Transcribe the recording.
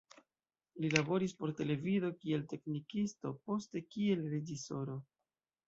Li laboris por televido kiel teknikisto, poste kiel reĝisoro.